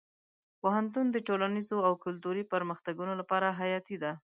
پوهنتون د ټولنیزو او کلتوري پرمختګونو لپاره حیاتي دی.